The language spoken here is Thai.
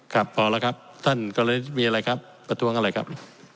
ครับพอแล้วครับท่านก็เลยมีอะไรครับประท้วงอะไรครับ